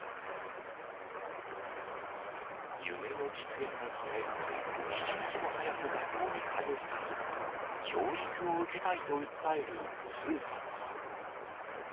夢の実現のため、一日も早く学校に通いたい、教育を受けたいと訴えるスーサンさん。